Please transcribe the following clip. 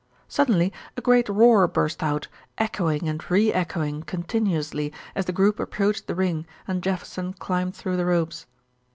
Suddenly a great roar burst out, echoing and reechoing continuously as the group approached the ring and Jefferson climbed through the ropes.